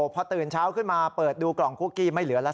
พอตื่นเช้าขึ้นมาเปิดดูกล่องคุกกี้ไม่เหลือแล้ว